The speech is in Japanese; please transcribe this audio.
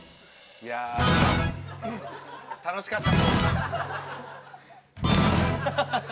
いや楽しかった。